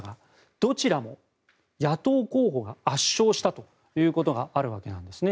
どちらも野党候補が圧勝したということがあるんですね。